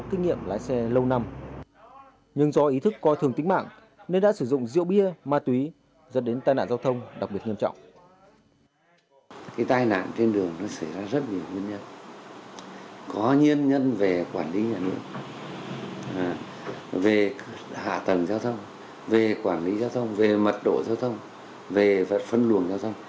về hạ tầng giao thông về quản lý giao thông về mật độ giao thông về phân luồng giao thông